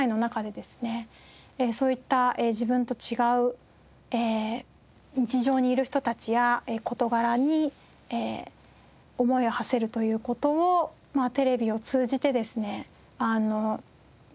そういった自分と違う事情にいる人たちや事柄に思いをはせるという事をテレビを通じてですねしている感覚があって。